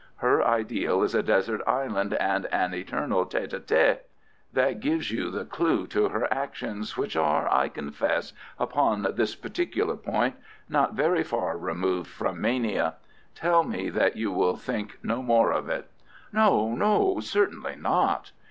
Her ideal is a desert island and an eternal tête à tête. That gives you the clue to her actions, which are, I confess, upon this particular point, not very far removed from mania. Tell me that you will think no more of it." "No, no; certainly not."